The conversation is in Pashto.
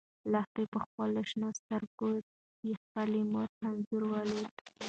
لښتې په خپلو شنه سترګو کې د خپلې مور انځور ولید.